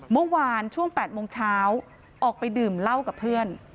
เมื่อวานช่วง๘โมงเช้าออกไปดื่มเหล้ากับเพื่อน